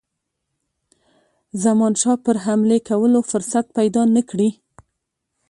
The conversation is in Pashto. زمانشاه پر حملې کولو فرصت پیدا نه کړي.